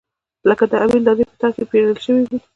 لکه د امېل دانې چې پۀ تار کښې پېرلے شوي وي